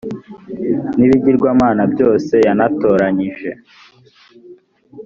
n ibigirwamana byose yanatoranyije